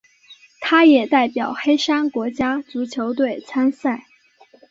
他也代表黑山国家足球队参赛。